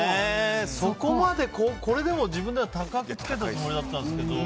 そこまでこれでも自分では高くつけたつもりなんですけど。